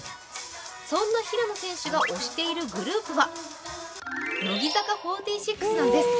そんな平野選手が推しているグループは乃木坂４６なんです。